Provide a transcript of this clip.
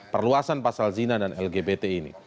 perluasan pasal zina dan lgbt ini